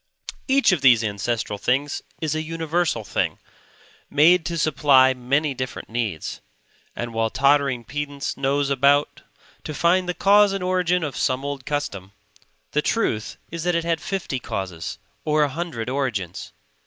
Each of these ancestral things is a universal thing; made to supply many different needs; and while tottering pedants nose about to find the cause and origin of some old custom, the truth is that it had fifty causes or a hundred origins.